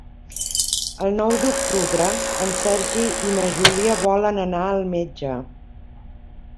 El nou d'octubre en Sergi i na Júlia volen anar al metge.